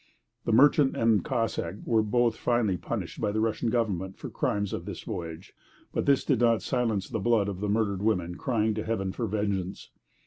The merchant and the Cossack were both finally punished by the Russian government for the crimes of this voyage; but this did not silence the blood of the murdered women crying to Heaven for vengeance.